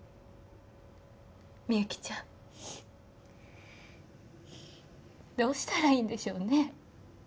みゆきちゃんどうしたらいいんでしょうね